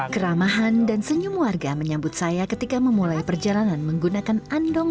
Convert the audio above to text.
keramahan dan senyum warga menyambut saya ketika memulai perjalanan menggunakan andong